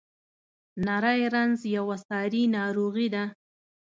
نری رنځ یوه ساري ناروغي ده.